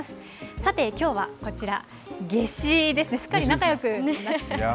さて、きょうはこちら、夏至ですね、すっかり仲よくなりましたね。